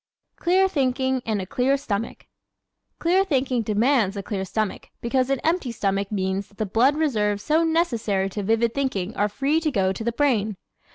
Clear Thinking and a Clear Stomach ¶ Clear thinking demands a clear stomach because an empty stomach means that the blood reserves so necessary to vivid thinking are free to go to the brain.